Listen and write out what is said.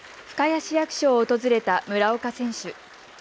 深谷市役所を訪れた村岡選手。